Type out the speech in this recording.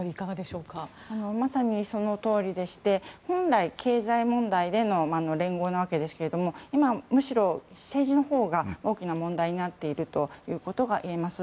まさにそのとおりでして本来、経済問題での連合のわけですけれども今、むしろ政治のほうが大きな問題になっているということがいえます。